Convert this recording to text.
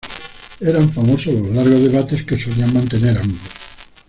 Eran famosos los largos debates que solían mantener ambos.